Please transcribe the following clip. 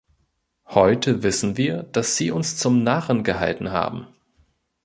Heute wissen wir, dass Sie uns zum Narren gehalten haben.